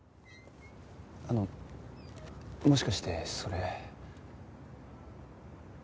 あのもしかしてそれ。